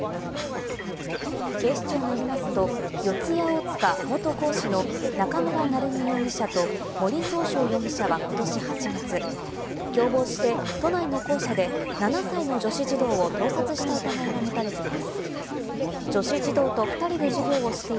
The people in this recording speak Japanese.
警視庁によりますと、四谷大塚元講師の中村成美容疑者と森崇翔容疑者はことし８月、共謀して都内の校舎で７歳の女子児童を盗撮した疑いが持たれています。